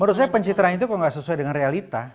menurut saya pencitraan itu kok nggak sesuai dengan realita